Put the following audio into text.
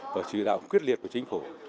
và trì đạo quyết liệt của chính phủ